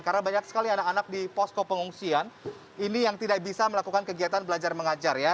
karena banyak sekali anak anak di posko pengungsian ini yang tidak bisa melakukan kegiatan belajar mengajar ya